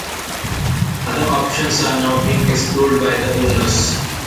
Other options are now being explored by the owners.